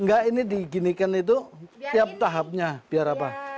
enggak ini diginikan itu tiap tahapnya biar apa